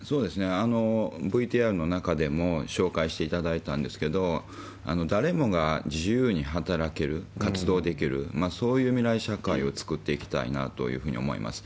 ＶＴＲの中でも紹介していただいたんですけど、誰もが自由に働ける、活動できる、そういう未来社会を作っていきたいなというふうに思います。